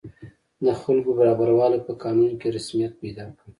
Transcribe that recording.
د خلکو برابروالی په قانون کې رسمیت پیدا کړ.